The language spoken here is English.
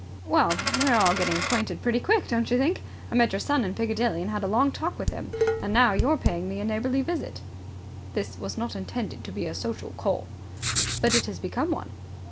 "Well, we're all getting acquainted pretty quick, don't you think? I met your son in Piccadilly and had a long talk with him, and now you are paying me a neighbourly visit." "This was not intended to be a social call." "But it has become one."